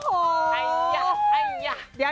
โอ้โห